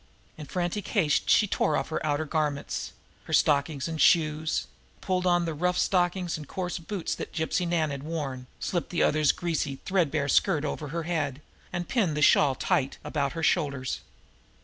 In frantic haste she tore off her outer garments, her stockings and shoes, pulled on the rough stockings and coarse boots that Gypsy Nan had worn, slipped the other's greasy, threadbare skirt over her head, and pinned the shawl tight about her shoulders.